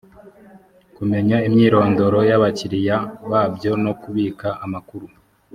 kumenya imyirondoro y’ abakiriya babyo no kubika amakuru.